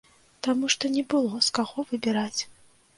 Таму што не было, з каго выбіраць.